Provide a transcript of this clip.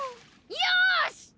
よし！